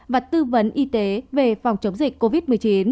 và tư vấn y tế về phòng chống dịch covid một mươi chín